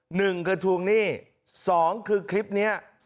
หนึ่งคือทวงหนี้สองคือคลิปนี้